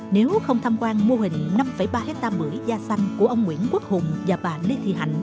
nếu không tham quan mô hình năm ba hectare bưởi da xanh của ông nguyễn quốc hùng và bà lê thị hạnh